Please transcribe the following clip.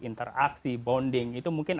interaksi bonding itu mungkin